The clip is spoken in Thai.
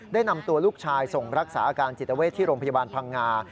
ได้นำตัวลูกชายส่งรักษาอาการจิตเวทที่โรงพยาบาลพังงา